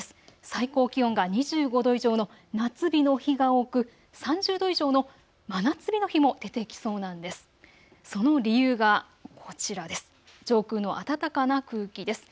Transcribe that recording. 最高気温が２５度以上の夏日の日が多く３０度以上の真夏日の日も出てきそうなんです。